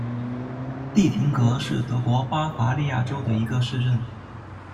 蒂廷格是德国巴伐利亚州的一个市镇。